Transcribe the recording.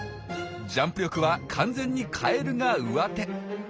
ジャンプ力は完全にカエルがうわて。